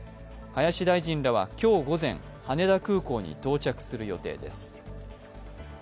林大臣らは今日午前、羽田空港に到着する予定です。